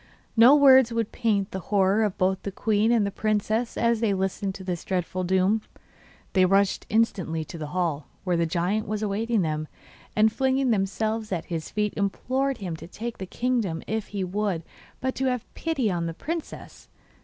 No words would paint the horror of both the queen and the princess as they listened to this dreadful doom. They rushed instantly to the hall, where the giant was awaiting them, and flinging themselves at his feet implored him to take the kingdom if he would, but to have pity on the princess.